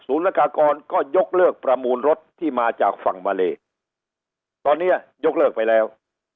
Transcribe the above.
ศูนย์ลักษณ์ก่อนก็ยกเลือกประมูลรถที่มาจากฝั่งวาเลตอนนี้ยกเลือกไปแล้ว